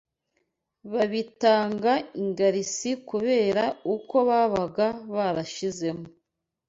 Babitaga ingarisi kubera uko babaga barashizemo.